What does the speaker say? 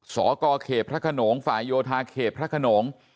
สกเขตพระขนงฝ่ายโยธาเขตพระขนง